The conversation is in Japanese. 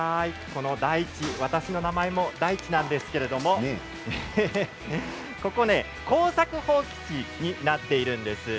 この大地、私の名前も大地なんですけれどもここは耕作放棄地になっているんですね。